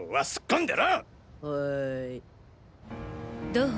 どう？